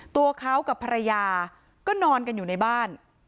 ตัวเขากับภรรยาก็นอนกันอยู่ในบ้าน